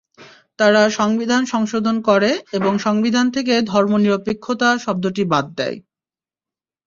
তারা সংবিধান সংশোধন করে এবং সংবিধান থেকে ধর্মনিরপেক্ষতা শব্দটি বাদ দেয়।